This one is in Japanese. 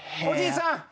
おじいさん。